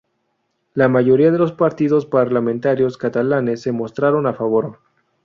La mayoría de los partidos parlamentarios catalanes se mostraron a favor.